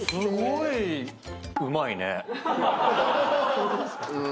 ホントですか。